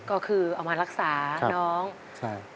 ก็คือเอามารักษาน้องใช่